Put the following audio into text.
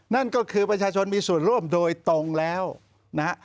นั่นก็คือประชาชนมีส่วนร่วมโดยตรงแล้วนะฮะ